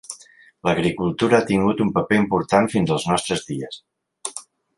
L'agricultura ha tingut un paper important fins als nostres dies.